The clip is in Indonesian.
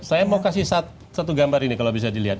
saya mau kasih satu gambar ini kalau bisa dilihat